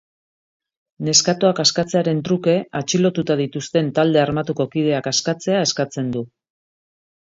Neskatoak askatzearen truke atxilotuta dituzten talde armatuko kideak askatzea eskatzen du.